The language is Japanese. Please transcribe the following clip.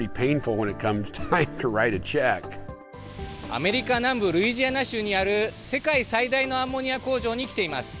アメリカ南部ルイジアナ州にある世界最大のアンモニア工場に来ています。